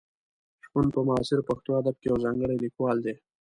شپون په معاصر پښتو ادب کې یو ځانګړی لیکوال دی.